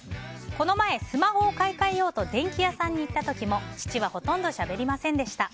この前、スマホを買い替えようと電気屋さんに行った時も父はほとんどしゃべりませんでした。